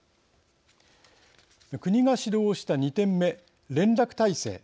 国が指導をした２点目連絡体制。